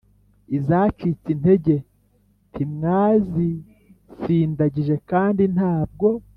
Izacitse intege ntimwazisindagije kandi ntabwo